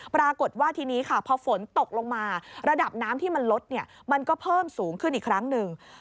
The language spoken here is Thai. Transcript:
ปรากฏว่าทีนี้ค่ะพอฝนตกลงมาระดับน้ำที่มันลดมันก็เพิ่มสูงขึ้นอีกครั้งหนึ่ง